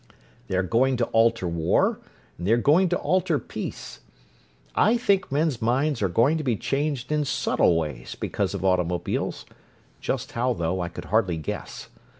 They are going to alter war, and they are going to alter peace. I think men's minds are going to be changed in subtle ways because of automobiles; just how, though, I could hardly guess.